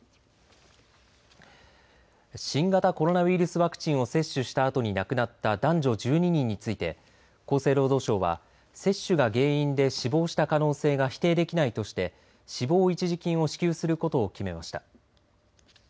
新型コロナウイルスワクチンを接種したあとに亡くなった男女１２人について厚生労働省は接種が原因で死亡した可能性が否定できないとして死亡一時金を支給することを決めました。